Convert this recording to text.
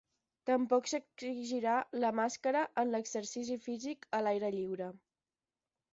Tampoc no s’exigirà la màscara en l’exercici físic a l’aire lliure.